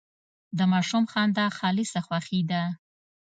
د ماشوم خندا خالصه خوښي ده.